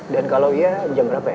dan kalau iya jam berapa ya